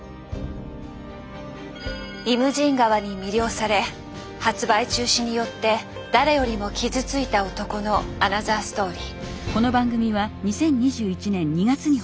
「イムジン河」に魅了され発売中止によって誰よりも傷ついた男のアナザーストーリー。